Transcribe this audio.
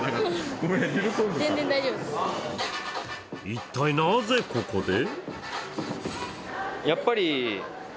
一体、なぜここで？